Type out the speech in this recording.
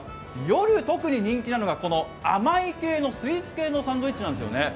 夜特に人気なのが甘い系のスイーツ系のサンドイッチなんですよね。